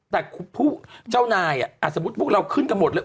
แต่ผู้เจ้านายสมมุติพวกเราขึ้นกันหมดเลย